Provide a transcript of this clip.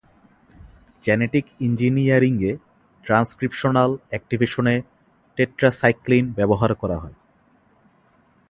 Genetic ইঞ্জিনিয়ারিংয়ে, ট্রান্সক্রিপশনাল অ্যাক্টিভেশনে টেট্রাসাইক্লিন ব্যবহার করা হয়।